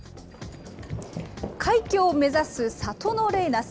快挙を目指すサトノレイナス。